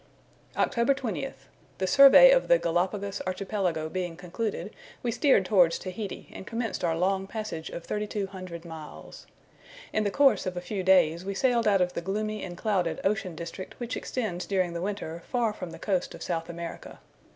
OCTOBER 20th. The survey of the Galapagos Archipelago being concluded, we steered towards Tahiti and commenced our long passage of 3200 miles. In the course of a few days we sailed out of the gloomy and clouded ocean district which extends during the winter far from the coast of South America.